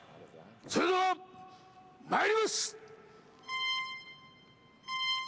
それではまいります！